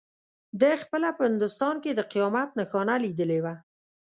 ده خپله په هندوستان کې د قیامت نښانه لیدلې وه.